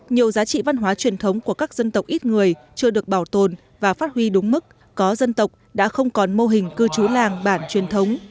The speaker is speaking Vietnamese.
nhiều giá trị văn hóa truyền thống của các dân tộc ít người chưa được bảo tồn và phát huy đúng mức có dân tộc đã không còn mô hình cư trú làng bản truyền thống